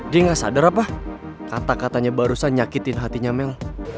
dia gak sadar apa kata katanya barusan nyakitin hatinya mel